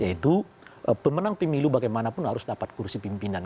yaitu pemenang pemilu bagaimanapun harus dapat kursi pimpinan